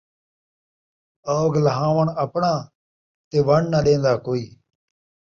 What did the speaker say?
اوگھ لہاوݨ آپݨا تے ون٘ڈ نہ ݙین٘دا کوئی